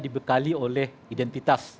dibekali oleh identitas